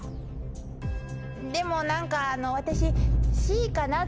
でも何か私。